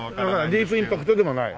ディープインパクトでもない？